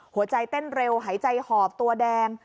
หัวใจเต้นเร็วหายใจหอบตัวแดง